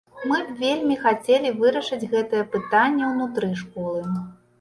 Мы б вельмі хацелі вырашыць гэтае пытанне ўнутры школы.